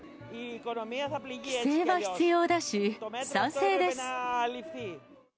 規制は必要だし、賛成です。